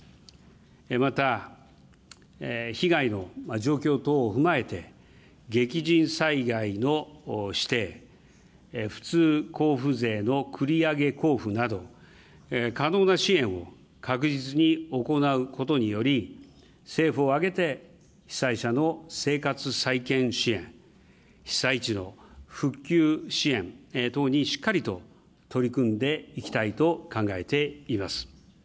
また、被害の状況等を踏まえて、激甚災害の指定、普通交付税の繰り上げ交付など、可能な支援を確実に行うことにより、政府を挙げて被災者の生活再建支援、被災地の復旧支援等にしっかりと取り組んでいきたいと考えています。